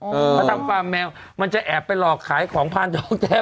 เพราะทำฟาร์มแมวมันจะแอบไปหลอกขายของพานทองแท้